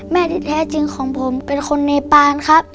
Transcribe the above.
แม่ที่แท้จริงของผมเป็นคนเนปานครับ